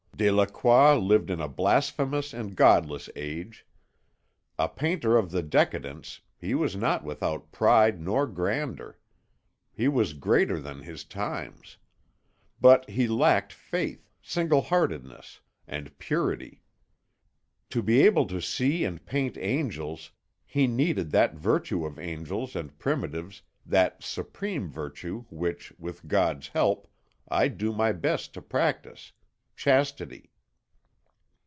"Delacroix lived in a blasphemous and godless age. A painter of the decadence, he was not without pride nor grandeur. He was greater than his times. But he lacked faith, single heartedness, and purity. To be able to see and paint angels he needed that virtue of angels and primitives, that supreme virtue which, with God's help, I do my best to practise, chastity."